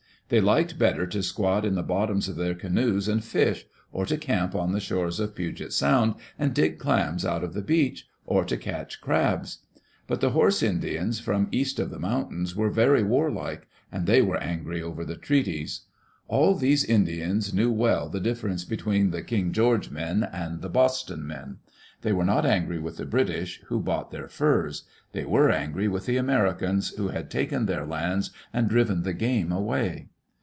They liked better to squat in the bottoms of their canoes and fish; or to camp on the shores of Puget Sound and dig clams out of the beach; or to catch crabs. But the horse Indians [^17] ^. Digitized by VjOOQIC EARLY DAYS IN OLD OREGON from cast of the mountains were very warlike, and Acy were angry over Ac treaties. All these Indians knew well die difference between the " King George men and the " Boston men/' They were not angry with the British, who bought their furs. They were angry with the Americans who had taken their lands and driven the game away.